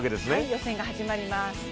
予選が始まります。